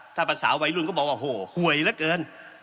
ท่านประสาววัยรุ่นก็บอกว่าโหหวยเหลือเกิน